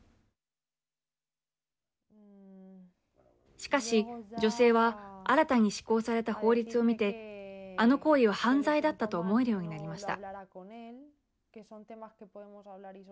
しかし、女性は新たに施行された法律を見てあの行為は犯罪だったと思えるようになりました。